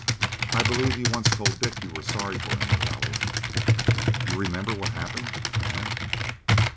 I believe you once told Dick you were sorry for him, Nilghai. You remember what happened, eh?